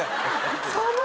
寒い！